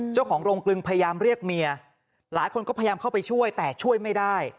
เจ้าของโรงกลึงพยายามเรียกเมียหลายคนก็พยายามเข้าไปช่วยแต่ช่วยไม่ได้